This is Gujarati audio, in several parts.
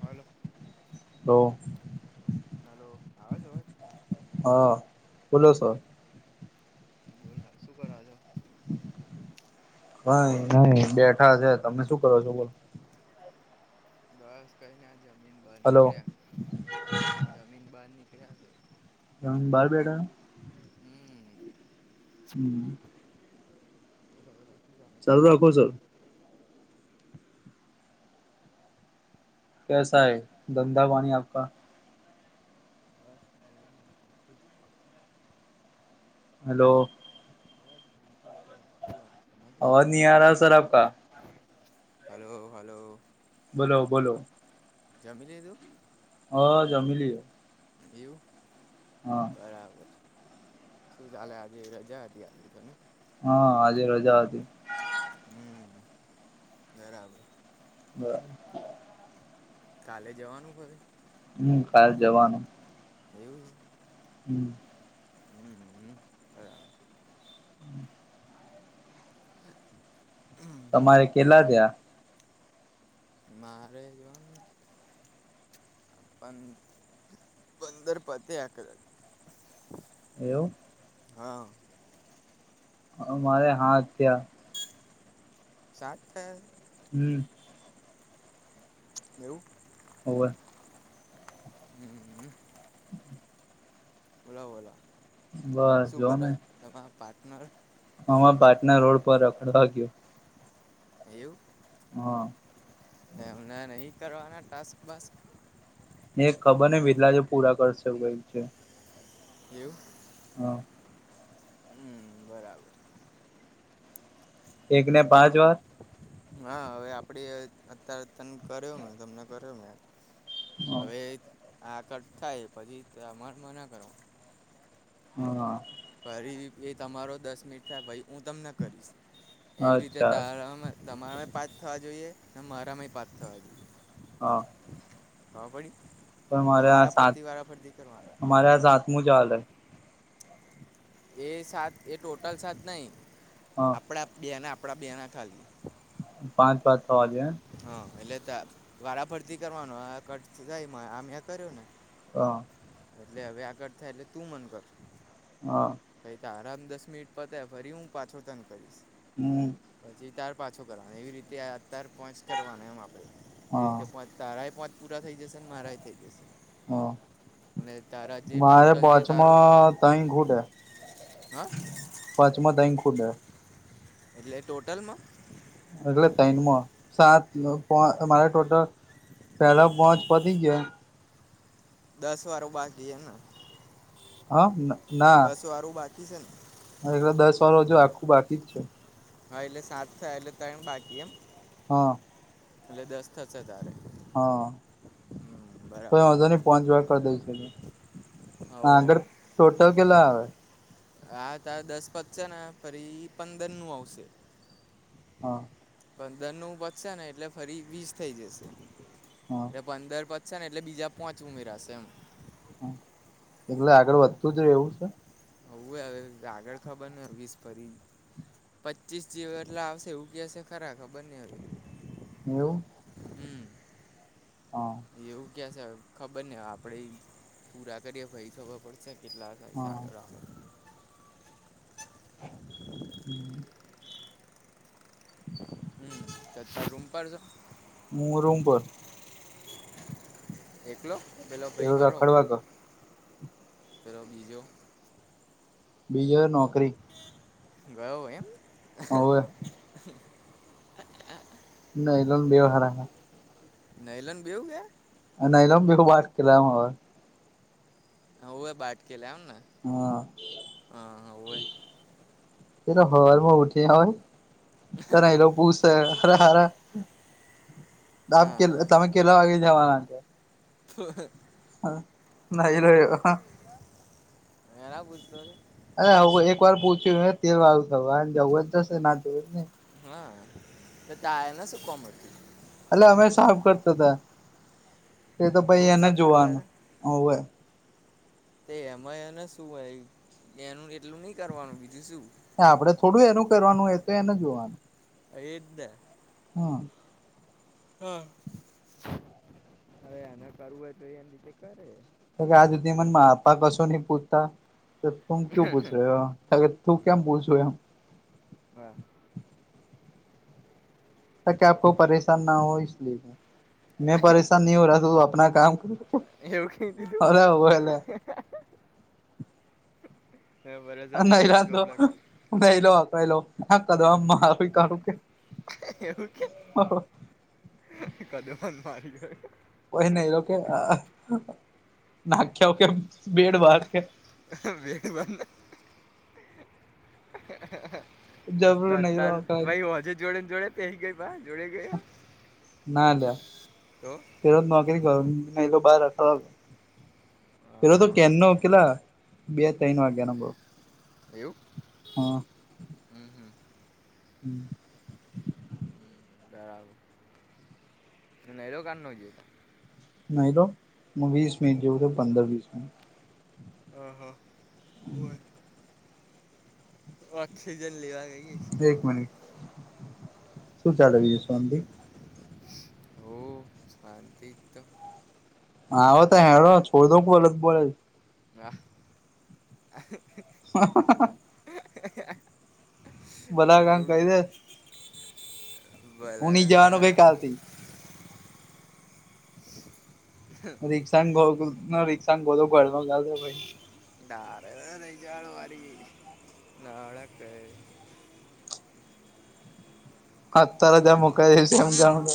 હાલો તો હલો આવે છે. અવાજ હા, બોલો છો. બોલો, શું કરો છો. [unintelligible] બેઠા છે, તમે શું કરો છો. બો બસ કઈને, આ જમીન બહાર હલો નીકળ્યા જમીન બહાર નીકળ કયા છે. [unintelligible] બહાર, બેઠા હમ્મ હમ્મ બોલો બોલો શું ચાલે, તમે રાખો જમીધ સર કેસા હે ધંધા, પાણી આપકા બસ મજામાં શાંતિ હલો બસ શાંતિ છે, બોલો તમારે કેવું અવાજ નહી આ રહા સર આપકા ચાલે હલો, હલો બોલો, બોલો જમી લીધું? હા, જમલી હ એવું બરાબર શું ચાલે આજે રજા હતી, આજે તો હા, આજે રજા હતી. હમ્મ, બરાબર [unintelligible] કાલે જવાનું હવે? કાલ જવાનું હમ્મ હમ્મ, હ બરાબર હમ તમારે કેલા થયા? મારે જેમ પં પંદર પતે આ કદાચ એવું હા અમારે હા ત્યાં સાત થયાં હમ એવું હોવે હમ હમ હમ બોલો બોલો બસ શું કરે જોને તમારા પાર્ટનર હમાં પાટના રોડ પર રખડવા ગયો એવું હા એમને નહી કરવાના ટાસ્ક બાસ્ક? ને ખબર ને વેદલાજ પૂરા કરશે કઈ છે એવું હા હમ બરાબર એક ને પાંચ વાર હા હવે આપડી અત્યારે તને કર્યો મે તમને કર્યો મે હવે આ કટ થાય પછી માન મા ના કરો હા ફરી એ તમારો દસ મિનિટ થાય પહી હું તમને કરીશ, એવી રીતે અચ્છા તારા તમારે પાચ થવા જોઈએ ને મારામાં પાચ થવા જોઈએ હા ખબર પડી? પણ એટલે મારે આ સાત વારાફરતી વારાફરતી કરવાના મારે આ સાતમું ચાલે એ સાત એ ટોટલ સાત નઈ હા આપડા બે ના આપડા બે ના ખાલી પાંચ પાંચ થવા જે ત વારાફરતી કરવાનું આ કટ થાય મા આ મે કર્યો ને હા લે હવે આગળ થાય એટલે તું મન કર હા પહી તારા દસ મિનિટ પતે ફરી હું પાછો તને કરીશ હમ પછી તાર પાછો કરવા એવી રીતે અત્યાર પોચ કરવાના એમ આપડે એ હા રીતે પાચ તારાય પોચ પૂરા થઈ જશે ને મારાઈ થઇ જશે હા અને તારા જે મારે ટોટલ જે તારું છે પોચમાં તઈન ખુટે હા મા તઈન ખુટે એટલે ટોટલમાં એટલે તઈનમાં સાત પો મારે ટોટલ પેલા પોંચ પતી ગ્યો દસ વાર બાકી એમ ને હ ના પીઝન મારે તો દસ વારો હજુ આખું બાકી જ છે હ એટલે સાત થયાં એટલે તૈણ બાકી એમ હા એટલે દસ થશે તારે હા હમ તોય બરાબર વોંધોની નહી બરાબર પોચ જેવા કરી દઈશું. હવ આગર હવ ટોટલ કેટલા આવે હા તાર દસ પત્સે ને ફરી પંદર નું આવશે. હા પંદર નું પત્સે ને એટલે ફરી વીસ થઈ જશે હા એટલે પંદર પત્ સે ને એટલે બીજા પોચ ઉમેરાશે એમ એટલે આગળ વધતું જ રે એવું સ હઉવે હવે આગળ ખબર ને વીસ ફરી પચ્ચીસ જેવા એટલે આવશે એવું કે શે ખરા ખબરની હવે એવું હમ હા કે છે ખબરની આપડે પૂરા કરીએ પહી ખબર પડશે. કેટલા જાય હા સારો રાખો [unintelligible] હમ હમ અત્તાર રૂમ પર સો મુ રૂમ પર એકલો પેલો ભઈ ખરો રખડવા કર પેલો બીજો બીજો નોકરી ગયો એમ હવે [unintelligible] નઇ એલોને બે હારા હ નૈલન બેઉ ગયા નૈલન ભેગું વાત કરી અવ હઉ બાટકે લેમને હા હા હ હોવે એ તો હવારમાં ઉઠી હોય તાર એલો પૂસે હર હરા દાપ કે હા તમે કેલા વાગે જવાના છો. હ [unintelligible] નાહી લય્યો હ હ હેના પૂછતો તો અરે હ એક વાર પૂછ્યું તેલ વાળું થવા જવું જશે ના જવું તે કેઇને હા તે તાયને શું કોમ હતું. એટલે અમે સાફ કરતા હતા એ તો પઈ રૂમ એને સાફ કરતા જોવાનું હતા હઉ એ તે એમાંય એને શું હોય એનું એટલું નઈ કરવાનું બીજું શું? આપડે થોડું એનું કરવાનું હોય તો એને જોવાનું. એ જ ને હમ હા હવે એના કરું તો એની રીતે કરે. તો આજ સુધીમાં મન માપા કશો નહી પૂછતા તો તુમ ક્યુ પૂછ રહે હો તું કેમ પૂછું એમ વાહ ત કે આપ કો પરેશાન ના હો ઇસ લિયે મેં પરેશાન નહી હો ર તું આપના કામ કર એવું કઈ દીધું [unintelligible] લે [inaudible] હ [unintelligible] વરસાદને નૈલા ધોબલા નૈલો આ આપણે એલો હ કદ આમ માર કાઢું કે હ હ કદ મન મારી ગયો. કોઈ નહી તો કે અ નાખ્યા કેમ? બે બંધ [inaudible] જબરું એલા નૈરો તાર હકલાય ભાઈ ઓજે જોડે ને જોડે પેહી ગઈ ભાઈ, ના લ તો તે રોજ નોકરી કરું, એ બારખ ફે હા તો હા કેન ઉકેલા બે ત્રણ વાગ્યા ન બુ એવું હમ્મ હમ્મ હમ્મ બરાબર નરો કાન ન જતો નહી તો વીસ મિનિટ જોઉ તો પંદર વીસ મિનિટ હ હા હોય ઓક્સિજન લેવા ગઈ હશે. મિનિટ એક મિનિટ શું ચાલે બીજું શાંતિ હો શંત તો હો તો હેરો છોડ દો બોલો જ બોલે વાહ [inaudible] [inaudible] [inaudible] બધા કામ એવું કરી દે હું ભલા ન જવાનું કાકા કઈ કાલ થી [unintelligible] રીક્ષાના ગોલો ઘરમાં રીક્ષા ના [unintelligible] છે ભાઈ ડરે નજળ વારી નાળ ક [inaudible] અત્યારે જે હા મુખાય દશે એમ જાણ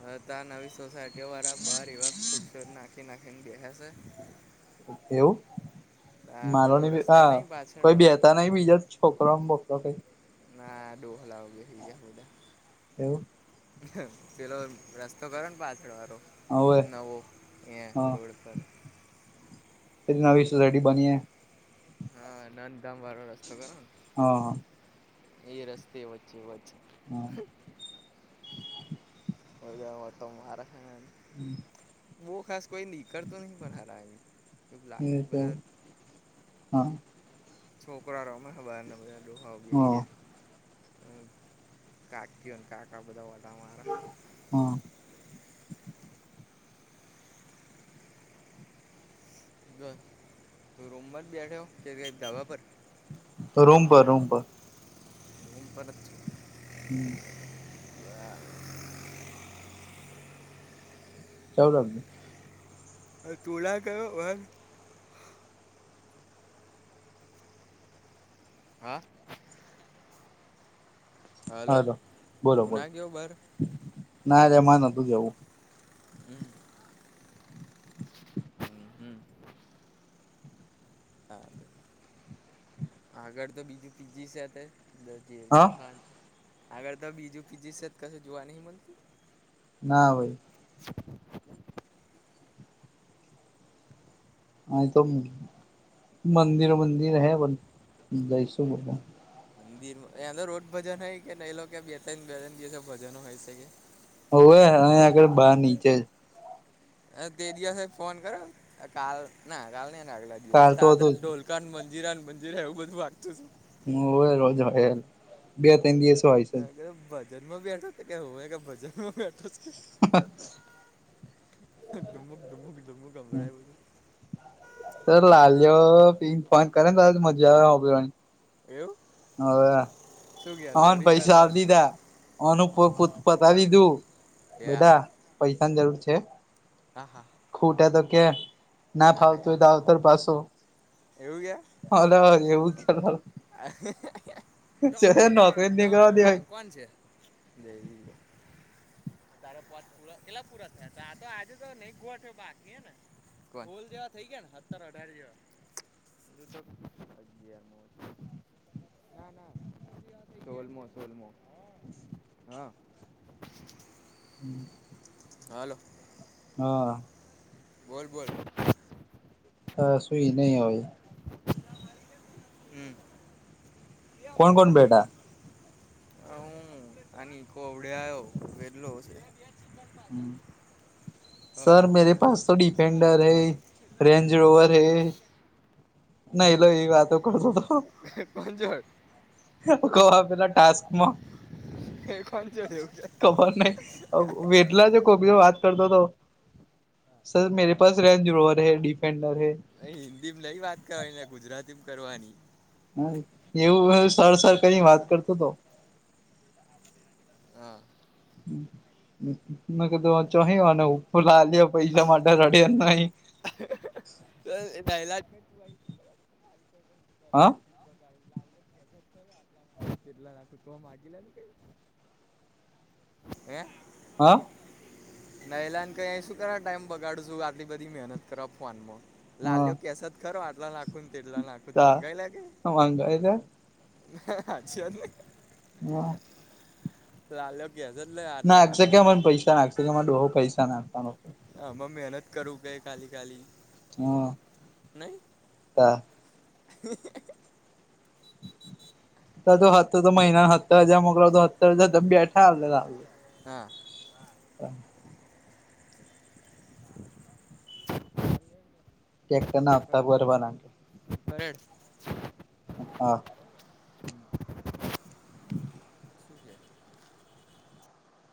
હ તો આ નવી સોસાયટીઓ વાળા બાહર એવા ખુરશો નાખી નાખી ને બેહ છ એવું મારો પેલો ન રસ્તો હા નહી પાછળ કોઈ વાળો બેતા નહી બીજા છોકરા [unintelligible] ના દોહ લઓગ હીટ એવું પેલો રસ્તો કરો ને પાછળ વાળો હવે નવો એ હા રડ કર એ નવી સોસાયટી બની એ હા, નંદધામ વાળો રસ્તો કરો હા ને એ રસ્તે વચ્ચે વ હમ્મ [unintelligible] હમ્મ બહુ ખાસ કોઈ નીકળતો નહીં પણ હાર એ લાગે બધા હા છોકરા રમે હ બારને બધા ડોહા ગયા બેહી હા રહ્યા. હમ્મ કાકી કાકા બધા [inaudible] હા. બસ રૂમમાં જ બેઠો કે ધાબા પર? રૂમપર રૂમપર [inaudible] હમ્મ. છું સાલું રાખ જે તુડા કયો હા. હેલો, હાલો બોલો તું બોલો ના ગયો બહાર? ના રેમાં નથી જવું. હમ્મ હમ્મ હમ્મ હા. આગળ તો બીજું પીજી છે બ હા દેખા [inaudible] આગળ તો બીજું પીજી સત કશું જોવા નહિ મળતું. ના ભાઈ. [inaudible] હ તો મંદિર મંદિર હૈ પણ જઈશુ બધા. મંદિરમાં એ અંદર રોજ ભજન હોય કે નહી લો કે બે ત્રણ બે ત્રણ દિવસે ભજનો હોય છે કે? હવે અહીં આગળ બહાર નીચે જ હ તે દિવસ ફોન કરો કાલ ના કાલ નહી [inaudible] આગ લાગી કાર તો તા હતું ઢોલકાને મંજરાને મંજિરા એવું બધું વાગતુંું [inaudible] યાર બે ત્રણ દિવસો હોય છે ભજન્માં બેઠો ક હોય ભજનમાં બેઠો [inaudible] હ ડુમક ડુમક ડુમુક અમરાય બધું. સર લાલ પિંક ફન કરે ને ત મજા આવે [inaudible] એવું? હવે શું કે અન લવરી પૈસા કરતો આ પતાવી દું યા બેટા, પૈસાની જરૂર છે હા હા ખૂટા તો કે, ના હા હા ફાવતું યા હોય તો આવતર પાછો, અ એવું કે હ ટન ટન નોકરી જ ની કરવા ટન, દેવાય કોણ છે દવી? તારે પચ પૂરા એટલા પૂરા થયા તો આ તો આજે તો નહી ગોવાઠ બાકી હ ને સોલ જેવા થઇ ગયા ને સતર અઢાર જેવા, અગિયાર [inaudible] [inaudible] ના ના સોલમો સોલમો હા [unintelligible] હમ. હાલો. હા. બોલ બોલ. સુઈ નહી હોય. હમ. હ કોણ કોણ બેટા હું આની કો અવડે આવયો વેદલો હશે. હમ. સર હા મેરે પાસ તો ડિફન્ડર હૈ, રેન્જ રોવર હૈ ના લો એ વાતો કરતો તો. પાંચર ક પેલા ટાસ્ક એ કોંજોડ એવું કે ખબર નહ વેદલા જે કોબી વાત કર દો તો સર મેરે પાસે રેન્જોવર હૈ ડિફેન્ડર હૈ. અહીં હિન્દીમાં નહીં વાત કરવાની ને ગુજરાતીમાં કરવાની. એવું સર સર કરીને વાત કરતો તો. હા. ક તો ચહીવાને લ પૈસા માટે રડે નઇ. તો એ [unintelligible] હા [unintelligible] હે. હા. નયલાન કે એ એ શું કરવા ટાઈમ બગાડું છું આટલી બધી મહેનત કરવા ફોન મો. હા લાલ્યો કેસત ખરો આટલા નાખો તેટલા નાખુ તા મંગાઈ લાગે. માંગા એટલે હ સાચી વાત નહી. હા. લાલો ના અક્ષે કેહ મન પૈસા નાખશે કે માં ડોહો પૈસા નાખતાનો આમાં મહેનત કરું કે ખાલી ખાલી. હા. નહી હા. [unintelligible] તો તો હતો તો મહિના હત્તા જે મોકલો તો સત્તર હજાર ત બેઠા હ લાગ હા. હા. ટ્રેક્ટર હપ્તા ભરવાના પરેડ. હા. હમ્મ. શું છે?